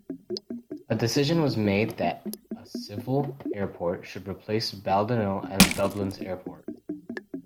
A decision was made that a civil airport should replace Baldonnel as Dublin's airport.